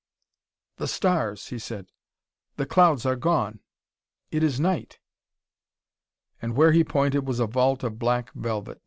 "The stars," he said. "The clouds are gone; it is night!" And where he pointed was a vault of black velvet.